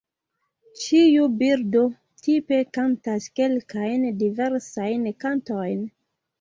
Ĉiu birdo tipe kantas kelkajn diversajn kantojn.